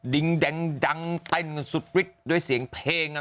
แต่งสุดฤทธิ์ด้วยเสียงเพลง